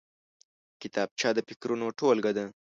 کتابچه د فکرونو ټولګه ده